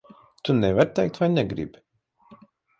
Tu nevari teikt vai negribi?